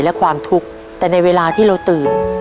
และความทุกข์แต่ในเวลาที่เราตื่น